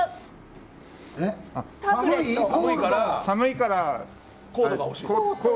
寒いから、コートが欲しい。